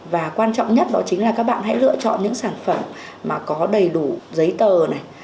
và quan trọng nhất đó chính là các bạn hãy lựa chọn những sản phẩm mà có đầy đủ giấy tờ này